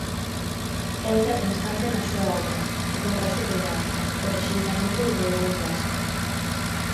É outra constante na súa obra, o contraste cromático, o rexeitamento do bodegón clásico.